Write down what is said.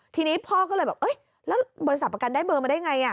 ทีนี้พ่อก็เลยแบบแล้วบริษัทประกันได้เบอร์มาได้ไง